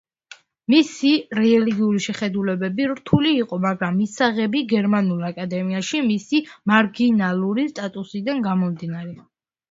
მისი რელიგიური შეხედულებები რთული იყო, მაგრამ მისაღები გერმანულ აკადემიაში მისი მარგინალური სტატუსიდან გამომდინარე.